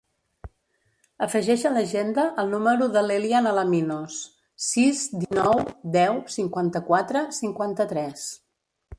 Afegeix a l'agenda el número de l'Elian Alaminos: sis, dinou, deu, cinquanta-quatre, cinquanta-tres.